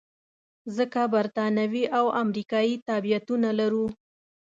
ځکه بریتانوي او امریکایي تابعیتونه لرو.